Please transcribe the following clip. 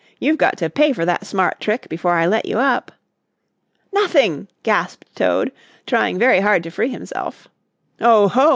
"You've got to pay for that smart trick before I let you up." "Nothing!" gasped Toad, trying very hard to free himself. "Oho!"